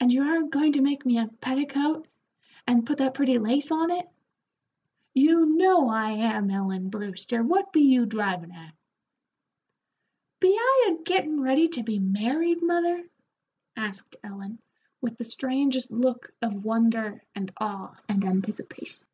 "And you are going to make me a petticoat and put that pretty lace on it?" "You know I am, Ellen Brewster, what be you drivin' at?" "Be I a gettin' ready to be married, mother?" asked Ellen, with the strangest look of wonder and awe and anticipation.